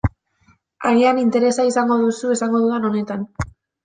Agian interesa izango duzu esango dudan honetan.